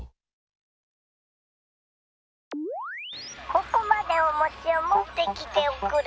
ここまでおもちを持ってきておくれ。